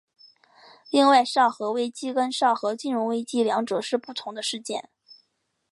另外昭和危机跟昭和金融危机两者是不同的事件。